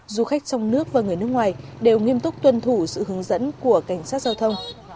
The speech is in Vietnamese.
du khách trong nước và người nước ngoài đều nghiêm túc tuân thủ sự hướng dẫn của cảnh sát giao thông